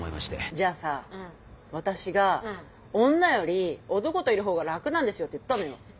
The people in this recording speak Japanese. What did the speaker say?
じゃあさ私が女より男といるほうが楽なんですよって言ったのよ。